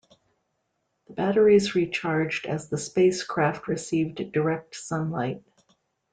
The batteries recharged as the spacecraft received direct sunlight.